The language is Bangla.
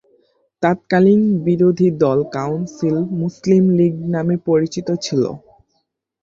তৎকালীন বিরোধী দল কাউন্সিল মুসলিম লীগ নামে পরিচিত ছিল।